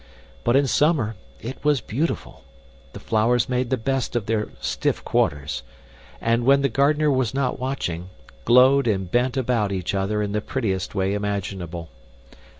But in summer it was beautiful; the flowers made the best of their stiff quarters, and, when the gardener was not watching, glowed and bent about each other in the prettiest way imaginable.